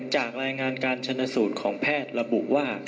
จากรายงานการชนะสูตรของแพทย์ระบุว่า